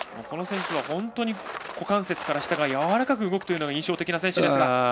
この選手は本当に股関節から下がやわらかく動くのが印象的な選手ですが。